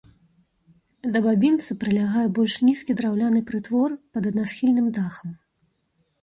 Да бабінца прылягае больш нізкі драўляны прытвор пад аднасхільным дахам.